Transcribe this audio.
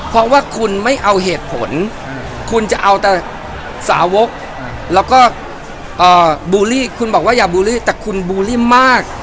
เพราะว่าคุณไม่เอาเหตุผลคุณจะเอาแต่สาวกแล้วก็บูลลี่คุณบอกว่าอย่าบูลลี่แต่คุณบูลลี่มาก